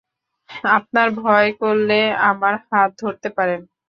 আপনার ভয় করলে, আমার হাত ধরতে পারেন।